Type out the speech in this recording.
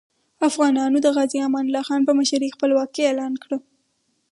افغانانو د غازي امان الله خان په مشرۍ خپلواکي اعلان کړه.